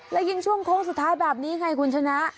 และยิ่งช่วงโค้งสุดท้ายแบบนี้ไงคุณชนะ